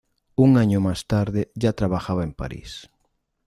Un año más tarde ya trabajaba en París.